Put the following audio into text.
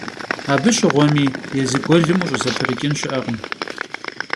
Abı şığuemi yêzı guelım vuş'ızeprıç'ın şı'ekhım.